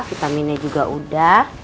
vitaminnya juga udah